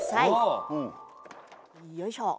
よいしょ。